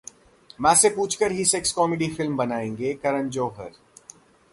मां से पूछकर ही सेक्स कॉमेडी फिल्म बनाएंगे करन जौहर